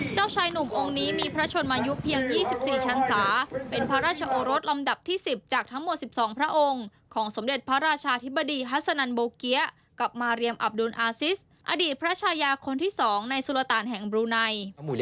เจ้าชายหนุ่มองค์นี้มีพระชนมายุเพียง๒๔ชันศาเป็นพระราชโอรสลำดับที่๑๐จากทั้งหมด๑๒พระองค์ของสมเด็จพระราชาธิบดีฮัสนันโบเกี๊ยกับมาเรียมอับดุลอาซิสอดีตพระชายาคนที่๒ในสุรตานแห่งบลูไน